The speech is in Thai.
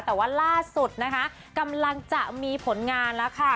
แต่ว่าล่าสุดนะคะกำลังจะมีผลงานแล้วค่ะ